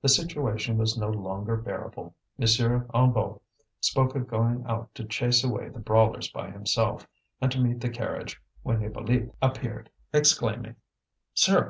The situation was no longer bearable. M. Hennebeau spoke of going out to chase away the brawlers by himself, and to meet the carriage, when Hippolyte appeared, exclaiming: "Sir!